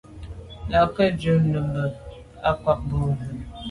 Là à ke’ dùm nejù nummbe bin ke’ ma’ ngwa bwe.